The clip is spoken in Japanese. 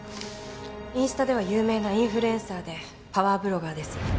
インスタでは有名なインフルエンサーでパワーブロガーです。